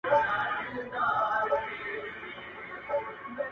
د اوښکو ټول څاڅکي دي ټول راټول کړه;